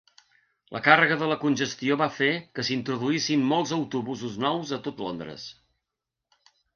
La càrrega de la congestió va fer que s'introduïssin molts autobusos nous a tot Londres.